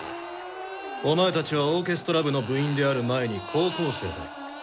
お前たちはオーケストラ部の部員である前に高校生だ。